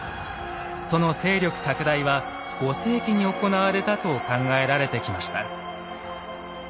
その勢力拡大は５世紀に行われたと考えられてきました。